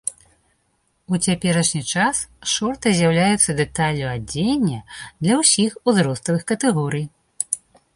У цяперашні час шорты з'яўляюцца дэталлю адзення для ўсіх узроставых катэгорый.